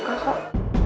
gak suka kok